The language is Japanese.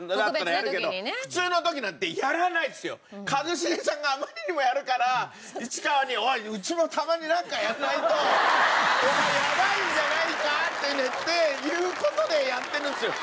一茂さんがあまりにもやるから市川に「おいうちもたまになんかやんないとやばいんじゃないか？」っていう事でやってるんですよ。